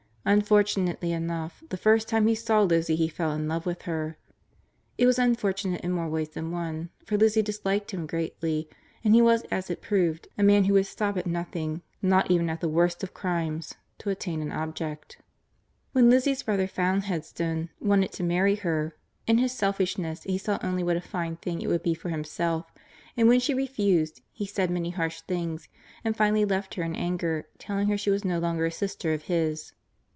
Unfortunately enough, the first time he saw Lizzie he fell in love with her. It was unfortunate in more ways than one, for Lizzie disliked him greatly, and he was, as it proved, a man who would stop at nothing not even at the worst of crimes to attain an object. When Lizzie's brother found Headstone wanted to marry her, in his selfishness he saw only what a fine thing it would be for himself, and when she refused, he said many harsh things and finally left her in anger, telling her she was no longer a sister of his.